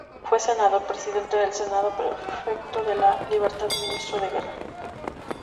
Fue Senador, Presidente del Senado, Prefecto de La Libertad, Ministro de Guerra.